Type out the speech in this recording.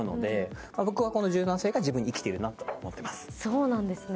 そうなんですね。